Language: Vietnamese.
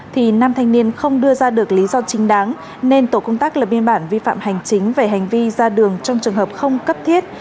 thì nam thanh niên không đưa ra được lý do chính đáng nên tổ công tác lập biên bản vi phạm hành chính về hành vi ra đường trong trường hợp không cấp thiết